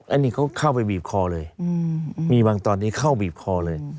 อันนี้เขาเข้าไปบีบคอเลยมีบางตอนนี้เข้าบีบคอเลย